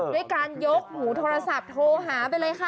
ด้วยการยกหูโทรศัพท์โทรหาไปเลยค่ะ